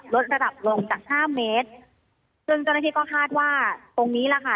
ลดระดับลงจากห้าเมตรซึ่งเจ้าหน้าที่ก็คาดว่าตรงนี้แหละค่ะ